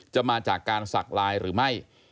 มาจากการสักลายหรือไม่